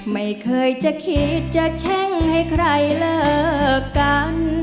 ไม่เคยจะคิดจะแช่งให้ใครเลิกกัน